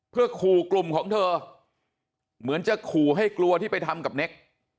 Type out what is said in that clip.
เพื่อขู่กลุ่มของเธอเหมือนจะขู่ให้กลัวที่ไปทำกับเน็ก